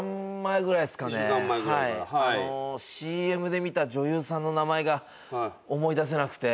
ＣＭで見た女優さんの名前が思い出せなくて。